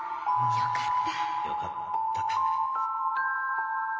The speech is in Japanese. よかった。